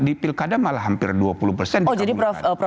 di pilkada malah hampir dua puluh